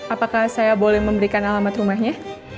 apakah saya boleh memberikan alamat rumahnya